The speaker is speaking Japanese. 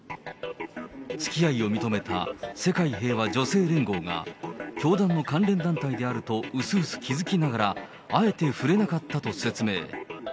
つきあいを認めた世界平和女性連合が、教団の関連団体であるとうすうす気付きながらあえて触れなかったと説明。